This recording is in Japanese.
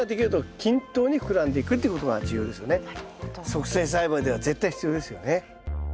促成栽培では絶対必要ですよね。